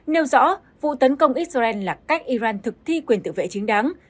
nêu rõ vụ tấn công israel là cách iran thực thi quyền tự vệ chính đáng